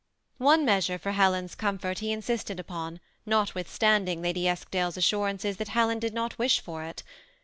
One measure for Helen's comfort he insisted upon, notwith standing Lady Eskdale's assurances that Helen did not wish for it.